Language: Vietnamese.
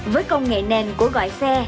với công nghệ nền của gọi xe